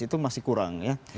itu masih kurang